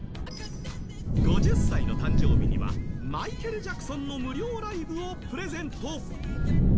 ５０歳の誕生日にはマイケル・ジャクソンの無料ライブをプレゼント。